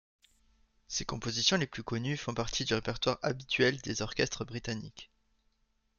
Ses compositions les plus connues font partie du répertoire habituel des orchestres britanniques.